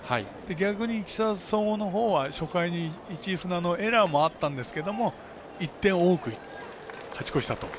逆に木更津総合のほうは初回に市船のエラーもあったんですけど１点多く勝ち越したと。